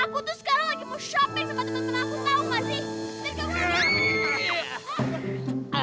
aku tuh sekarang lagi mau shopping sama temen temen aku